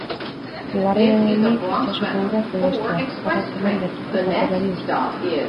Bigarrenik itsasoko uraz egostea, karrakelen berezko zaporeari eusteko.